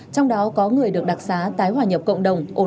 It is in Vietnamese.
trong đó có người được đặc sá tái hòa nhập cộng đồng ổn định cuộc sống